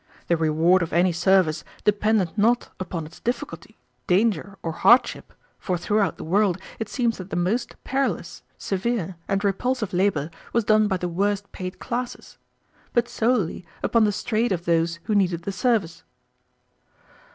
The reward of any service depended not upon its difficulty, danger, or hardship, for throughout the world it seems that the most perilous, severe, and repulsive labor was done by the worst paid classes; but solely upon the strait of those who needed the service."